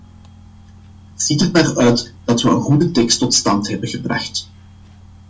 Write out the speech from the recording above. Het ziet ernaar uit dat we een goede tekst tot stand hebben gebracht.